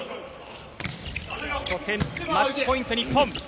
初戦、マッチポイント、日本。